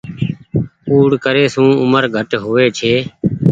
ڪوڙي ڪري سون اومر گھٽ هووي ڇي۔